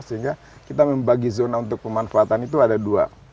sehingga kita membagi zona untuk pemanfaatan itu ada dua